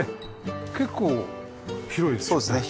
結構広いですよね。